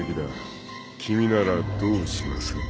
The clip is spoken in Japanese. ［君ならどうします？］